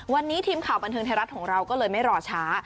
วันนี้ทีมข่าวบันเทิงไทยรัฐของเราก็เลยไม่รอช้า